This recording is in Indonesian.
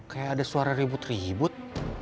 kayak ada suara ribut ribut